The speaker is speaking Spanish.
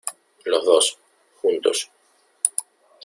los dos, juntos.